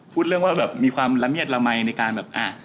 พูดเรื่องว่าแบบมีความละเมียดละมัยในการแบบ